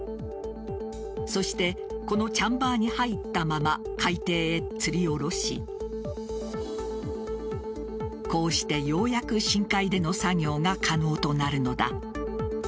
そしてチャンバーに入ったまま海底へつり下ろしこうしてようやく深海での作業が可能となるのだ。